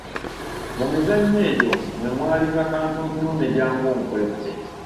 Mu mizannyo egyo mwe mwalinga kantuntunu ne jangu onkwekule.